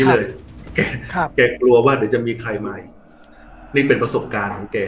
เลยแกกลัวว่าเดี๋ยวจะมีใครมาอีกนี่เป็นประสบการณ์ของแก